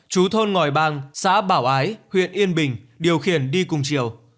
chú thôn ngòi bang xã bảo ái huyện yên bình điều khiển đi cùng chiều